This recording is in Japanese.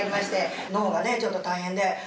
脳がねちょっと大変で。